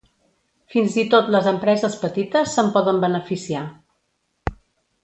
Fins i tot les empreses petites se'n poden beneficiar.